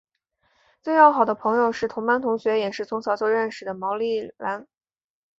最要好的朋友是同班同学也是从小就认识的毛利兰。